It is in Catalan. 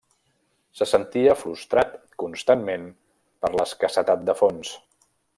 Se sentia frustrat constantment per l'escassetat de fons.